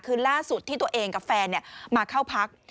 คือล่าสุดที่ตัวเองกับแฟนมาเข้าพัก